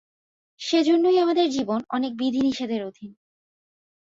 সেজন্যই আমাদের জীবন অনেক বিধি-নিষেধের অধীন।